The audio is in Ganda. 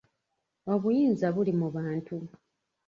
Obuyinza buli mu bantu.